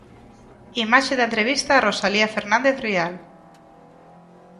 Imaxe da entrevista a Rosalía Fernández Rial.